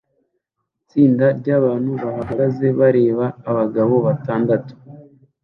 Itsinda ryabantu bahagaze bareba abagabo batandatu